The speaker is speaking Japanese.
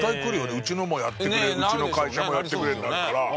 うちのもやってくれうちの会社もやってくれになるから。